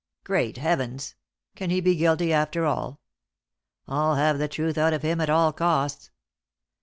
Great Heavens! Can he be guilty, after all? I'll have the truth out of him at all costs."